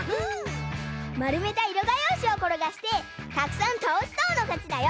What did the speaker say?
まるめたいろがようしをころがしてたくさんたおしたほうのかちだよ。